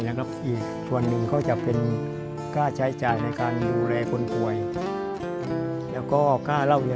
เห็นส่วนนึงเค้าจะเป็นกล้าใช้จ่ายในการดูแลคนี